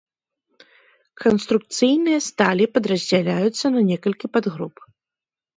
Канструкцыйныя сталі падраздзяляюцца на некалькі падгруп.